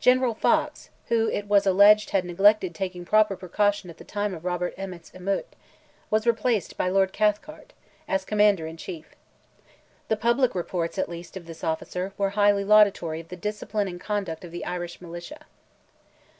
General Fox, who it was alleged had neglected taking proper precaution at the time of Robert Emmet's emeute, was replaced by Lord Cathcart, as Commander in Chief. The public reports at least of this officer, were highly laudatory of the discipline and conduct of the Irish militia.